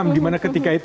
gimana ketika itu